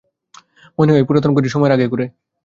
মনে হয় এই পুরাতন ঘড়ি সময়ের আগে ঘোরে।